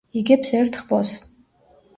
იგებს ერთ ხბოს.